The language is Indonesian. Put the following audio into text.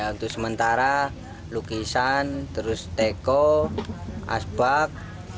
untuk sementara lukisan terus teko asbak